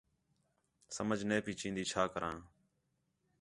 سمجھ نے پئی چِین٘دی چَھا کراں